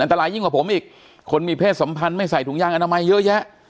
ตรายยิ่งกว่าผมอีกคนมีเพศสัมพันธ์ไม่ใส่ถุงยางอนามัยเยอะแยะ